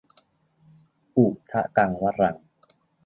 อุทะกังวะรัง